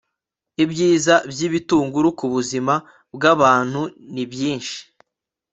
ibyiza by'ibitunguru ku buzima bw'abantu ni byinshi